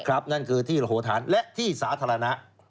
นั่นคือที่ระโหฐานและที่สาธารณะ